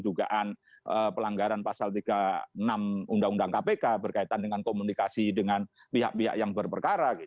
dugaan pelanggaran pasal tiga puluh enam undang undang kpk berkaitan dengan komunikasi dengan pihak pihak yang berperkara